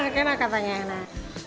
enak enak katanya enak